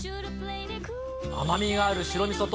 甘みがある白みそと